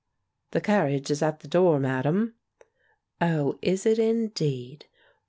''TJie carriage is at the door. Madam/' Oh, is it indeed?